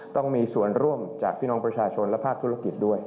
ต้องมีส่วนร่วมจากพี่น้องประชาชนและภาคธุรกิจด้วย